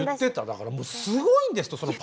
だからすごいんですって。